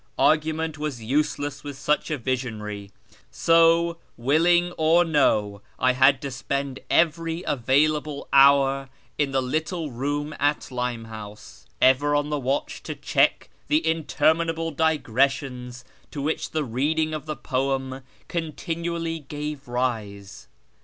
Argument was useless with such a visionary ; so, willing or no, I had to spend every available hour in the little room at Limehouse, ever on the watch to check the interminable digressions to which the reading of the poem continually gave rise.